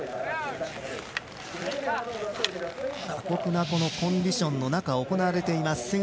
過酷なコンディションの中行われています。